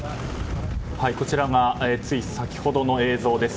こちらがつい先ほどの映像です。